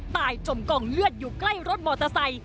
จมกองเลือดอยู่ใกล้รถมอเตอร์ไซค